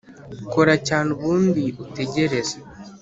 kora cyane ubundi utegereze